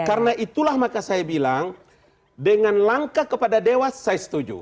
karena itulah maka saya bilang dengan langka kepada dewa saya setuju